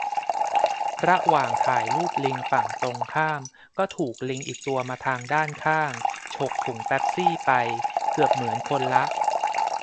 ระหว่างที่ถ่ายรูปลิงฝั่งตรงข้าม ก็ถูกลิงอีกตัวมาทางด้านข้าง ฉกถุงเป็ปซี่ไป เกือบเหมือนคนละ